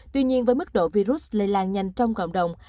tuy nhiên với mức độ virus lây lan nhanh trong cộng đồng